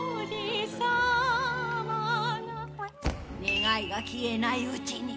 「願いが消えないうちに」